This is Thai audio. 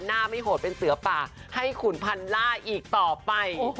หน้าไม่โหดเป็นเสือป่าให้ขุนพันล่าอีกต่อไป